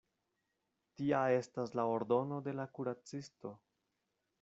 Tia estas la ordono de la kuracisto.